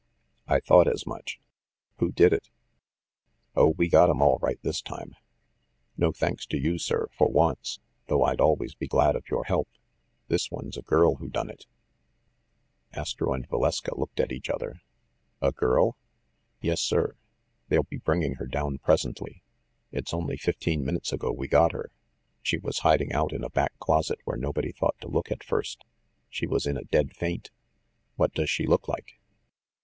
"I thought as much. Who did it?" "Oh, we got 'em all right this time. No thanks to you, sir, for once, though I'd always be glad of your help. This one's a girl who done it." Astro and Valeska looked at each other. "A girl?" i8o THE MASTER OF MYSTERIES "Yes, sir. They'll be bringing her down presently. It's only fifteen minutes ago we got her. She was hid ing out in a back closet where nobody thought to look at first. She was in a dead faint." "What does she look like?"